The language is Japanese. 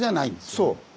そう。